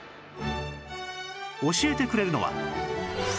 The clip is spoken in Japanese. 教えてくれるのは